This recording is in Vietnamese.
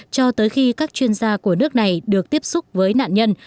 cho tới khi các chuyên gia của nước này được tiếp xúc với nạn nhân